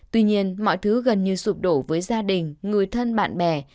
tuy nhiên mọi thứ gần như sụp đổ với gia đình người thân bạn bè